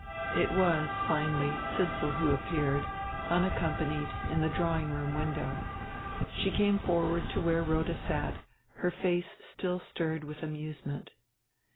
It was, finally, Sidsall who appeared, unaccompanied, in the drawing room window. She came forward to where Rhoda sat, her face still stirred with amusement.